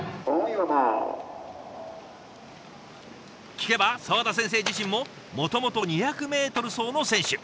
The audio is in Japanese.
聞けば沢田先生自身ももともと２００メートル走の選手。